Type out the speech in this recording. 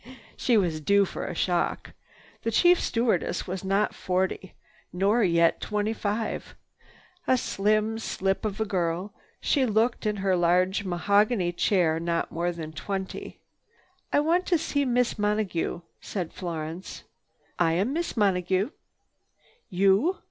'" She was due for a shock. The chief stewardess was not forty, nor yet twenty five. A slim slip of a girl, she looked in her large mahogany chair not more than twenty. "I—I want to see Miss Monague," said Florence. "I am Miss Monague." "You?